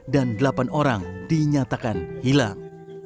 dan delapan orang dinyatakan hilang